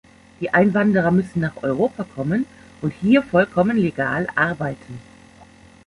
Die Einwanderer müssen nach Europa kommen und hier vollkommen legal arbeiten.